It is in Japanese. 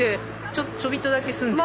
ちょびっとだけ住んでた。